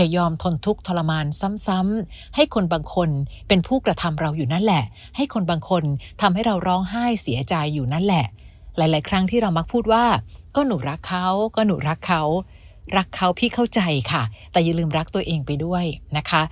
อยู่นั่นแหละหลายครั้งที่เรามักพูดว่าก็หนูรักเขาก็หนูรักเขารักเขาพี่เข้าใจค่ะแต่อย่าลืมรักตัวเองไปด้วยนะคะ